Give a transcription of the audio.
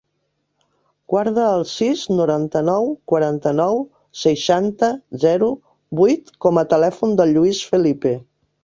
Guarda el sis, noranta-nou, quaranta-nou, seixanta, zero, vuit com a telèfon del Lluís Felipe.